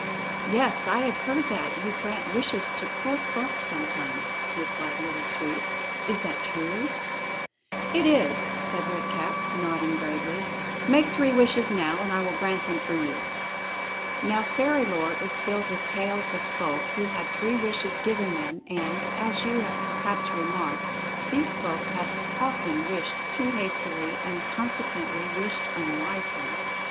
"Yes, I have heard that you grant wishes to poor folk sometimes," replied Little Sweep; "is that true?" "It is," said Red Cap, nodding gravely. "Make three wishes now, and I will grant them for you." Now fairy lore is filled with tales of folk who had three wishes given them, and, as you have perhaps remarked, these folk have often wished too hastily and consequently wished unwisely.